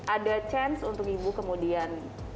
ada chance untuk ibu kemudian